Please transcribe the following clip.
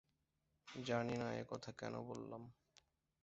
জানি না একথা কেন বললাম।